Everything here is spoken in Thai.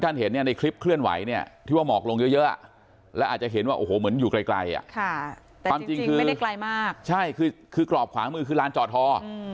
แต่จริงไม่ได้ไกลมากใช่คือกรอบขวางมือคือลานจอดฮอส